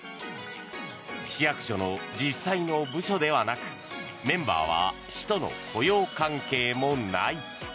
市役所の実際の部署ではなくメンバーは市との雇用関係もない。